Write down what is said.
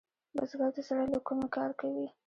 بزګر د زړۀ له کومي کار کوي